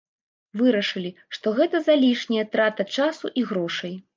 Вырашылі, што гэта залішняя трата часу і грошай.